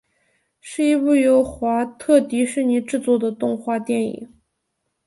是一部由华特迪士尼制作的动画电影。